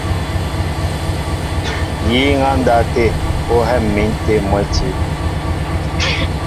Yíŋ á ndáw tê, ó hɛ̂m̀in tê mwɛ̌ti.